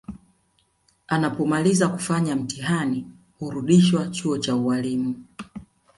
Anapomaliza kufanya mtihani hurudishwa chuo cha ualimu